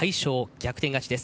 逆転勝ちです。